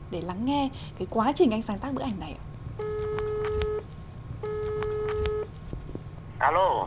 để lắng nghe cái quá trình anh sáng tác bức ảnh này ạ